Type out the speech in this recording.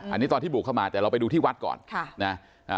อันนี้ตอนที่บุกเข้ามาแต่เราไปดูที่วัดก่อนค่ะนะ